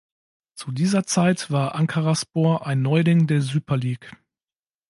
Zu dieser Zeit war Ankaraspor ein Neuling der Süper Lig.